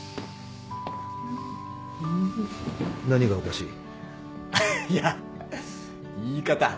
何がおかしい？いや言い方。